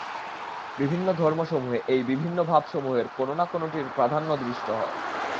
বিভিন্ন ধর্মসমূহে এই বিভিন্ন ভাবসমূহের কোন-না-কোনটির প্রাধান্য দৃষ্ট হয়।